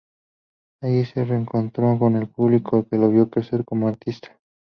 Allí se reencontró con el público que lo vio crecer como artista.